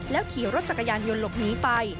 ขี่รถจักรยานยนต์หลบหนีไป